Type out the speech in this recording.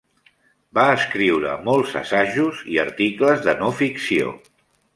Va escriure molts assajos i articles de no ficció.